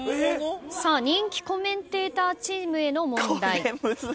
人気コメンテーターチームへの問題。